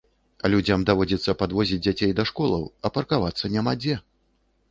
Людзям даводзіцца падвозіць дзяцей да школаў, а паркавацца няма дзе.